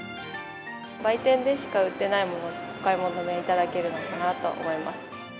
売店でしか売ってないものもお買い求めいただけるのかなと思います。